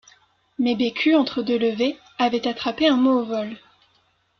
Mais Bécu, entre deux levées, avait attrapé un mot au vol.